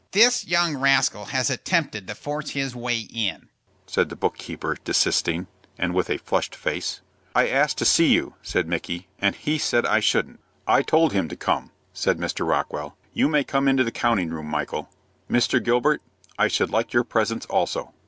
"This young rascal has attempted to force his way in," said the book keeper, desisting, and with a flushed face. "I asked to see you," said Micky, "and he said I shouldn't." "I told him to come," said Mr. Rockwell. "You may come into the counting room, Michael. Mr. Gilbert, I should like your presence also."